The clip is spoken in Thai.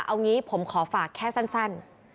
เอางี้ผมขอฝากแค่สั้น